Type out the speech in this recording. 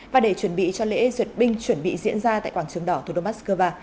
và để chuẩn bị cho lễ duyệt binh chuẩn bị diễn ra tại quảng trường đỏ thủ đô moscow